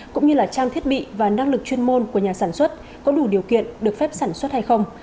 cũng như là trang thiết bị và năng lực chuyên môn của nhà sản xuất có đủ điều kiện được phép sản xuất hay không